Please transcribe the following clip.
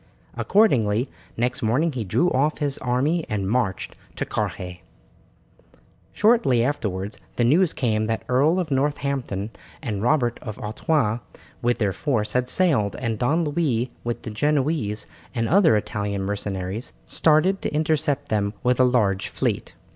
Accordingly, next morning he drew off his army and marched to Carhaix. Shortly afterwards the news came that the Earl of Northampton and Robert of Artois, with their force, had sailed, and Don Louis, with the Genoese and other Italian mercenaries, started to intercept them with a large fleet.